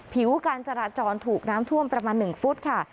ผิวการจราจรถูกน้ำท่วมประมาณ๑ฟุตค่ะ